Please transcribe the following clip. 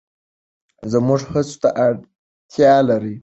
زموږ هڅو ته اړتیا لري.